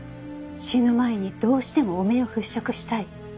「死ぬ前にどうしても汚名を払拭したい」。